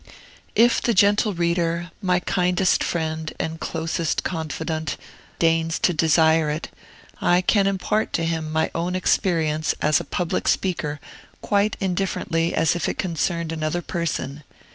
If the gentle reader, my kindest friend and closest confidant, deigns to desire it, I can impart to him my own experience as a public speaker quite as indifferently as if it concerned another person.